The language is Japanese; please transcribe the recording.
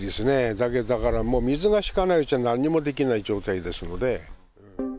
だけど、だからもう水が引かないうちはなんにもできない状態ですので。